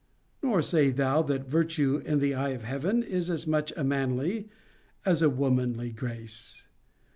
Nor say thou, that virtue, in the eye of Heaven, is as much a manly as a womanly grace.